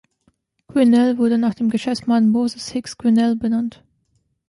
Grinnell wurde nach dem Geschäftsmann Moses Hicks Grinnell benannt.